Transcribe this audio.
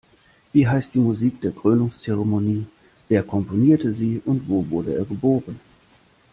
Wie heißt die Musik der Krönungzeremonie, wer komponierte sie und wo wurde er geboren?